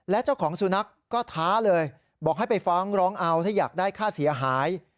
และเจ้าของสุนัขก็ท้าเลยบอกให้ไปฟ้องร้องเอาถ้าอยากได้ค่าเสียหาย